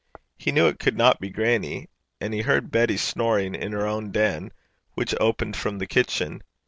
He knew it could not be grannie, and he heard Betty snoring in her own den, which opened from the kitchen.